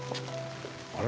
あれ？